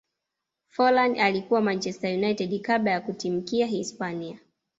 forlan alikuwa manchester united kabla ya kutimkia hispania